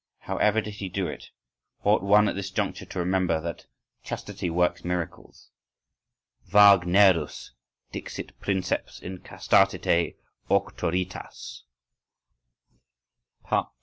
How ever did he do it?—Ought one at this juncture to remember that "chastity works miracles"?… _Wagnerus dixit princeps in castitate auctoritas.